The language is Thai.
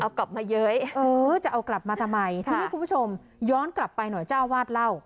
เอากลับมาเย้ยเออจะเอากลับมาทำไมทีนี้คุณผู้ชมย้อนกลับไปหน่อยเจ้าวาดเล่า